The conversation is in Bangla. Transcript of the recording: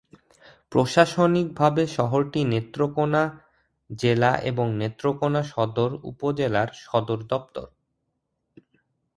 প্রশাসনিকভাবে শহরটি নেত্রকোণা জেলা এবং নেত্রকোণা সদর উপজেলার সদর দপ্তর।